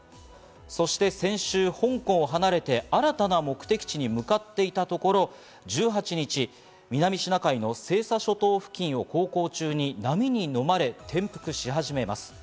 そして先週、香港を離れて、新たな目的地に向かっていたところ、１８日、南シナ海の西沙諸島付近を航行中に波にのまれ、転覆し始めます。